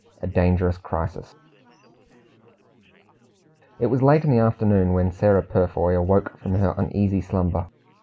A DANGEROUS CRISIS. It was late in the afternoon when Sarah Purfoy awoke from her uneasy slumber.